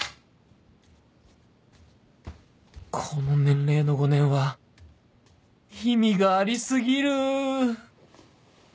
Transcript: この年齢の５年は意味があり過ぎる！